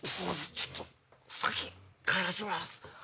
ちょっと先帰らしてもらいます。